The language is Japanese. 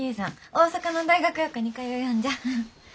大阪の大学予科に通よんじゃ。